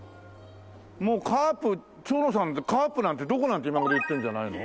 もうカープ長野さんって「カープなんてどこ？」なんて今頃言ってんじゃないの？